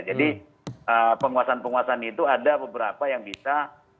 jadi penguasaan penguasaan itu ada beberapa yang bisa